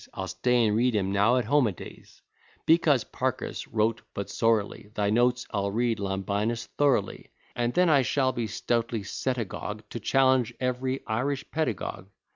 I'll stay and read 'em now at home a days, Because Parcus wrote but sorrily Thy notes, I'll read Lambinus thoroughly; And then I shall be stoutly set a gog To challenge every Irish Pedagogue.